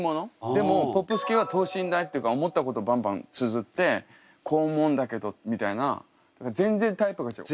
でもポップス系は等身大っていうか思ったことバンバンつづって「こう思うんだけど」みたいな。全然タイプが違う。